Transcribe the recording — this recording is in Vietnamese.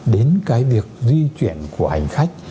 đến cái việc di chuyển của hành khách